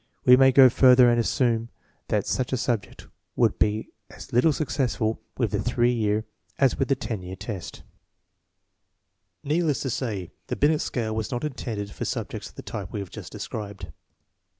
We may go further and assume that such a subject would be as little successful with the three year as with the ten year test. 12 INTELLIGENCE OP SCHOOL CHTLDBEN Needless to say, the Binet scale was not intended for subjects of the type we have just described.